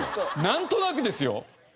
「なんとなく」ですよ。